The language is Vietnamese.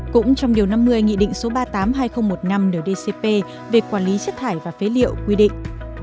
cũng trong điều năm mươi nghị định số ba mươi tám hai nghìn một mươi năm ndcp về quản lý chất thải và phế liệu quy định